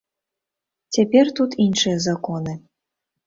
Цяпер тут іншыя законы.